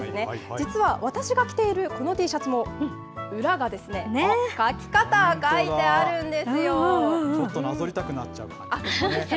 実は私が着ているこのＴシャツも、裏がですね、書き方書いてあるん本当、なぞりたくなっちゃう。